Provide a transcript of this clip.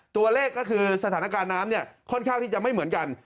ตัวเลขก็คือสถานการณ์น้ำเนี่ยค่อนข้างที่จะไม่เหมือนกัน